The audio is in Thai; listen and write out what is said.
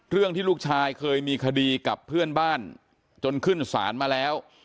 ที่ลูกชายเคยมีคดีกับเพื่อนบ้านจนขึ้นศาลมาแล้ว